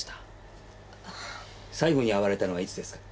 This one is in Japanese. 最後に会われたのはいつですか？